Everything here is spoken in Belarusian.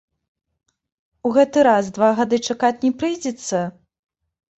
У гэты раз два гады чакаць не прыйдзецца?